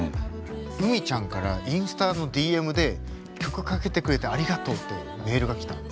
ＵＭＩちゃんからインスタのＤＭで曲かけてくれてありがとうっていうメールが来たの。